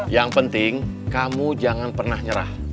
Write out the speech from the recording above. yang penting kamu jangan pernah nyerah